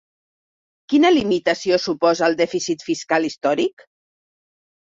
Quina limitació suposa el dèficit fiscal històric?